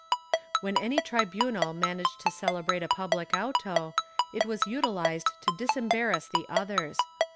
When any tribunal managed to celebrate a public auto, it was utilized to disembarrass the others.